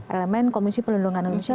elemen komisi pelindungan indonesia